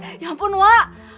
bapak jars ya ampun wak